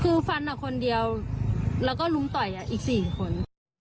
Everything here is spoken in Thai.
คือฟันคนเดียวแล้วก็ลุมต่อยอีก๔คน